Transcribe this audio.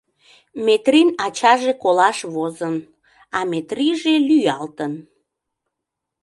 Метрин ачаже колаш возын, а Метриже лӱялтын.